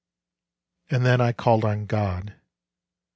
And then I (.died on God.